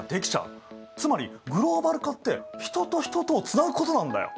つまりグローバル化って人と人とをつなぐことなんだよ。